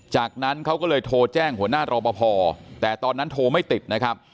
จากนั้นเขาก็เลยโทรแจ้งหัวหน้ารอปภแต่ตอนนั้นโทรไม่ติดนะครับ